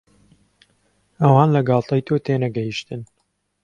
ئەوان لە گاڵتەی تۆ تێنەگەیشتن.